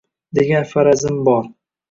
degan farazim bor.